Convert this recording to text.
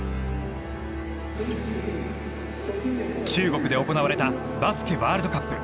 中国で行われたバスケワールドカップ。